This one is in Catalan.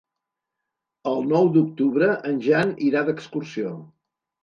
El nou d'octubre en Jan irà d'excursió.